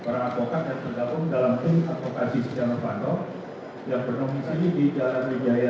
beradvokat dan bergabung dalam tim advokasi setiap waktu yang berdomisi di jalan wijaya tiga belas sembilan belas